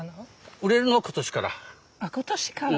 売れるのは今年から。